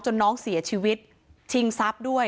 น้องเสียชีวิตชิงทรัพย์ด้วย